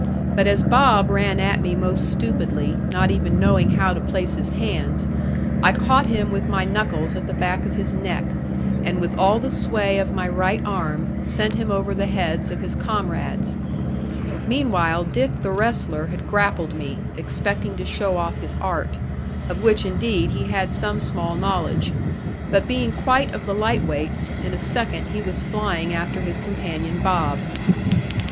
But as Bob ran at me most stupidly, not even knowing how to place his hands, I caught him with my knuckles at the back of his neck, and with all the sway of my right arm sent him over the heads of his comrades. Meanwhile Dick the wrestler had grappled me, expecting to show off his art, of which indeed he had some small knowledge; but being quite of the light weights, in a second he was flying after his companion Bob.